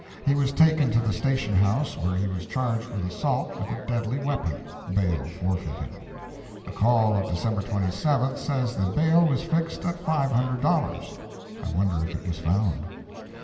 He was taken to the station house, where he was charged with assault with a deadly weapon—bail forfeited. The Call of December 27th says the bail was fixed at $500 (I wonder if it was found).